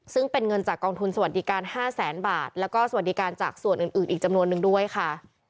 ซึ่งเป็นเงินจากกองทุนสวัสดิการ๕แสนบาทแล้วก็สวัสดิการจากส่วนอื่นอีกจำนวนนึงด้วยค่ะ